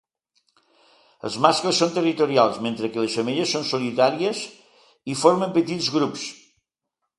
Els mascles són territorials, mentre que les femelles són solitàries o formen petits grups.